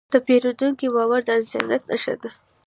د پیرودونکي باور د انسانیت نښه ده.